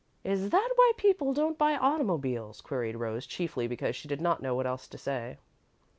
"Is that why people don't buy automobiles?" queried Rose, chiefly because she did not know what else to say.